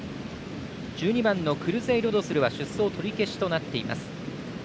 １２番のクルゼイロドスルは出走取り消しとなっています。